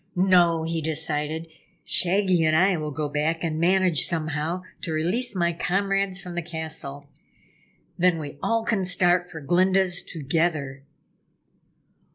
"No!" he decided "Shaggy and I will go back and manage, somehow, to release my comrades from the castle. Then, we all can start for Glinda's together."